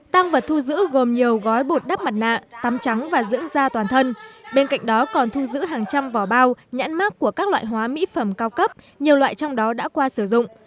tăng vật thu giữ gồm nhiều gói bột đắp mặt nạ tắm trắng và dưỡng da toàn thân bên cạnh đó còn thu giữ hàng trăm vỏ bao nhãn mát của các loại hóa mỹ phẩm cao cấp nhiều loại trong đó đã qua sử dụng